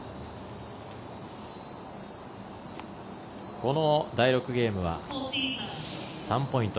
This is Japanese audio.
この第６ゲームは３ポイント